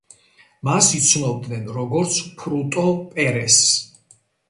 მას იცნობდნენ, როგორც ფრუტო პერესს.